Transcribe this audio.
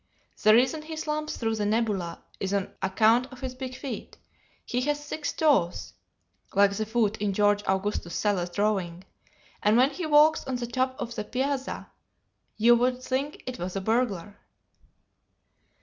The reason he slumps through the nebula is on account of his big feet; he has six toes (like the foot in George Augustus Sala's drawing) and when he walks on the top of the piazza you would think it was a burglar.